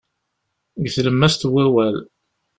Deg tlemmast n wawal.